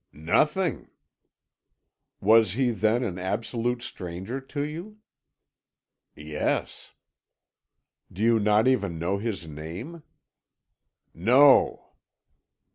"Nothing." "Was he, then, an absolute stranger to you?" "Yes." "You do not even know his name?" "No."